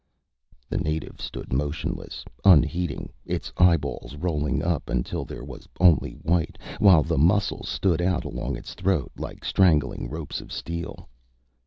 The native stood motionless, unheeding, its eyeballs rolling up until there was only white, while the muscles stood out along its throat like straining ropes of steel.